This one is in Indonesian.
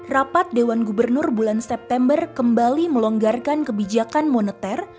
rapat dewan gubernur bulan september kembali melonggarkan kebijakan moneter